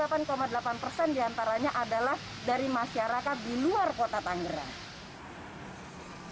delapan delapan persen diantaranya adalah dari masyarakat di luar kota tangerang